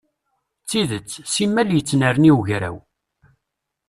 D tidet, s imal yettnerni wegraw.